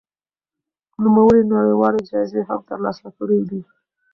نوموړي نړيوالې جايزې هم ترلاسه کړې دي.